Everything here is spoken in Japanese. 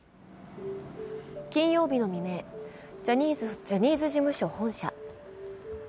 金曜日の未明、ジャニーズ事務所本社。